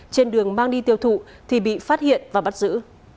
trên đường mang đi tiêu thụ thì bị phát hiện và bắt giữ